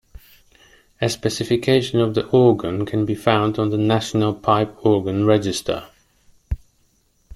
A specification of the organ can be found on the National Pipe Organ Register.